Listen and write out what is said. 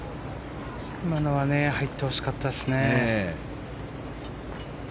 今のは入ってほしかったですね。